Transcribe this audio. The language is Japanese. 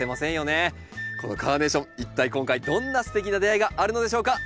このカーネーション一体今回どんなすてきな出会いがあるのでしょうか。